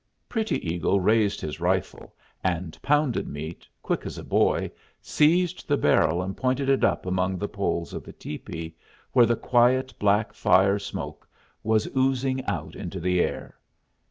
Pretty Eagle raised his rifle, and Pounded Meat, quick as a boy, seized the barrel and pointed it up among the poles of the tepee, where the quiet black fire smoke was oozing out into the air.